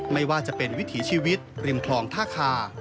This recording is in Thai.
ไม่ว่าจะเป็นวิถีชีวิตริมคลองท่าคา